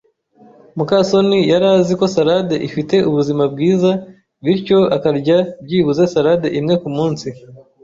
muka soni yari azi ko salade ifite ubuzima bwiza, bityo akarya byibuze salade imwe kumunsi.